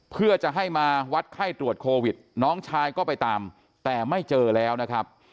เพื่อจะให้มาวัดไข้ตรวจโควิดน้องชายก็ไปตามแต่ไม่เจอแล้วนะครับ